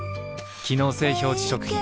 機能性表示食品